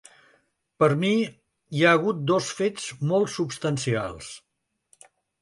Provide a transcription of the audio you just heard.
Per mi hi ha hagut dos fets molt substancials.